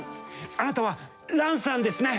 あなたはランさんですね？